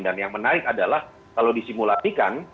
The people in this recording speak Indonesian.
dan yang menarik adalah kalau disimulatikan